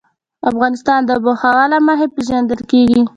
افغانستان د آب وهوا له مخې پېژندل کېږي.